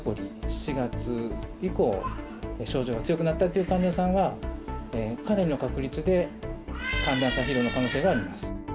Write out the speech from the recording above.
４月以降、症状が強くなったっていう患者さんは、かなりの確率で寒暖差疲労の可能性があります。